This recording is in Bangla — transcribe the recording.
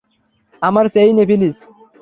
আমার চেইনে, প্লিজ।